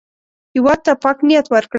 هېواد ته پاک نیت ورکړئ